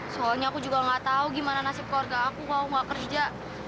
soalnya aku juga gak tahu gimana nasib keluarga aku kalau mau kerja